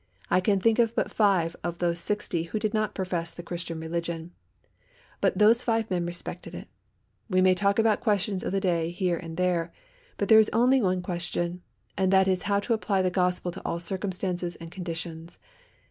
I can think of but five of those sixty who did not profess the Christian religion, but those five men respected it. We may talk about questions of the day here and there, but there is only one question, and that is how to apply the Gospel to all circumstances and conditions.